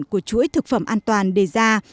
của chuỗi thực phẩm an toàn đề ra